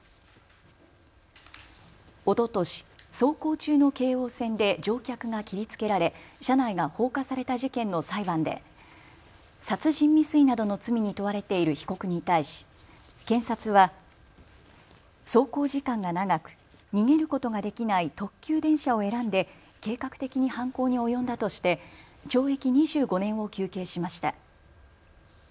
おととし走行中の京王線で乗客が切りつけられ車内が放火された事件の裁判で殺人未遂などの罪に問われている被告に対し検察は走行時間が長く逃げることができない特急電車を選んで計画的に犯行に及んだとして懲役２５年を求刑しました。